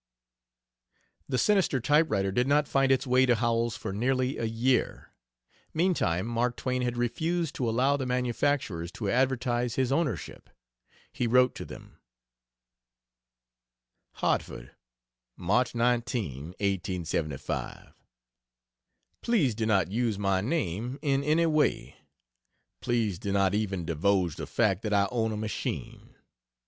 The sinister typewriter did not find its way to Howells for nearly a year. Meantime, Mark Twain had refused to allow the manufacturers to advertise his ownership. He wrote to them: HARTFORD, March 19, 1875. Please do not use my name in any way. Please do not even divulge the fact that I own a machine.